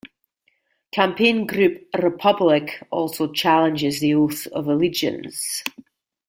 Campaign group 'Republic' also challenges the oath of allegiance.